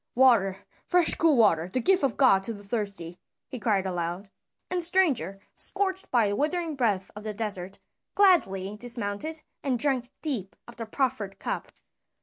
"Water! Fresh cool water, the gift of God to the thirsty!" he cried aloud. And the stranger, scorched by the withering breath of the desert, gladly dismounted and drank deep of the proffered cup.